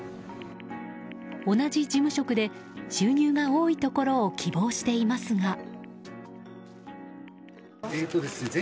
同じ事務職で収入が多いところを希望していますが。